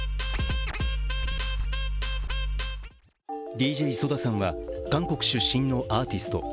ＤＪＳＯＤＡさんは韓国出身のアーティスト。